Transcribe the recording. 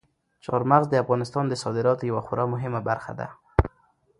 چار مغز د افغانستان د صادراتو یوه خورا مهمه برخه ده.